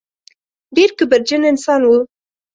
ډېر کبرجن انسان و.